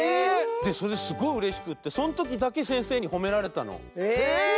それですごいうれしくってそのときだけせんせいにほめられたの。